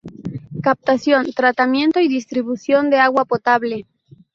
Captación, tratamiento y distribución de agua potable.